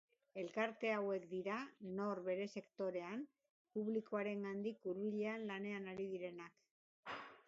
Elkarte hauek dira, nor bere sektorean, publikoarengandik hurbilen lanean ari direnak.